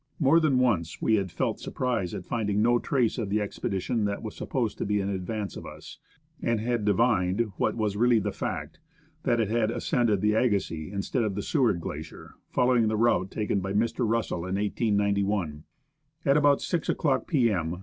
More than once we had felt sur prise at finding no trace of the expedition that was supposed to be in advance of us, and had divined, what was really the fact, that it had ascended the Agassiz instead of the Seward Glacier, following the route taken by Mr. Russell in 1891. At about 6 o'clock p.m.